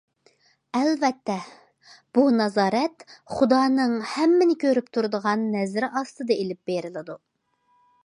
ئەلۋەتتە، بۇ نازارەت خۇدانىڭ ھەممىنى كۆرۈپ تۇرىدىغان نەزىرى ئاستىدا ئېلىپ بېرىلىدۇ.